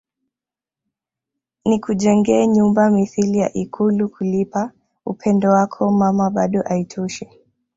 Nikujengee nyumba mithili ya ikulu kulipa upendo wako Mama bado aitoshi